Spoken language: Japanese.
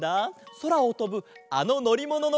そらをとぶあののりもののかげだぞ。